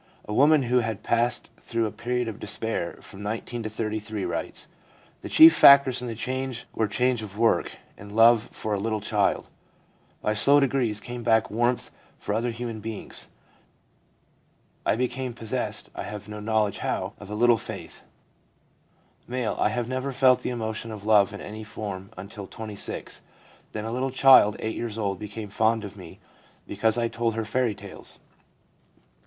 A woman who had passed through a period of despair from 19 to 33 writes :' The chief factors in the change were change of work and love for a little child. By slow degrees came back warmth for other human beings. I became possessed, I have no know ledge how, of a little faith.' M. ' I never felt the emotion of love in any form until 26. Then a little child 8 years old became fond of me because I told her fairy tales.